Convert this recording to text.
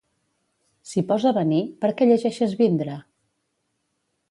Si posa venir, per què llegeixes vindre?